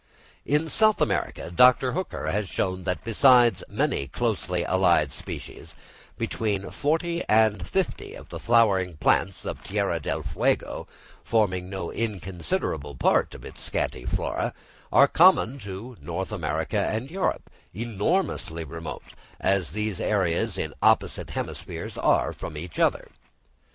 In South America, Dr. Hooker has shown that besides many closely allied species, between forty and fifty of the flowering plants of Tierra del Fuego, forming no inconsiderable part of its scanty flora, are common to North America and Europe, enormously remote as these areas in opposite hemispheres are from each other.